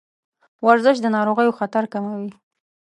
ورزش د ناروغیو خطر کموي.